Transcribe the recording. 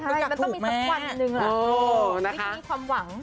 ใครต้องมีสักวันหนึ่งแหละนี่มีความหวัง